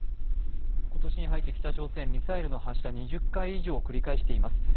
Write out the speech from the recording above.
今年に入って、北朝鮮、ミサイルの発射を２０回以上繰り返しています。